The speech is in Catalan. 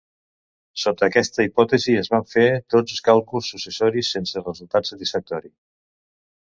Sota aquesta hipòtesi, es van fer tots els càlculs successius, sense resultat satisfactori.